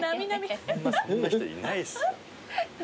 あんまそんな人いないですよ。